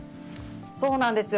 そうなんですよ。